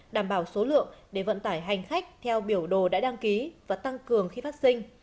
đảm bảo số lượng để vận tải hành khách theo biểu đồ đã đăng ký và tăng cường khi phát sinh